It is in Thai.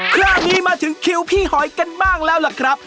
คราวนี้มาถึงคิวพี่หอยกันบ้างแล้วล่ะครับ